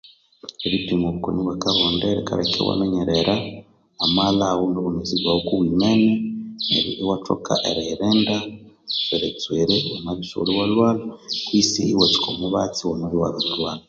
Eripimwa obukoni bwa kabonde rikaleka iwaminyerera amaghalha aghu nobwomezi kuwimene neryo iwathoma eriyirinda tswiritswiri wamabya isighuli walhwalha kwisi iwatsuka omubatsi wamabya iwabiri lhwalha